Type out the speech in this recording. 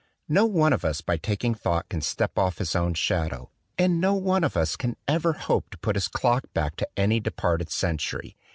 No one of us by taking thought can step off his own shadow; and no one of us can ever hope to put his clock back to any departed century.